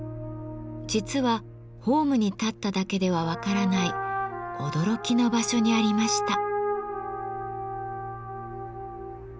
実はホームに立っただけでは分からない驚きの場所にありました。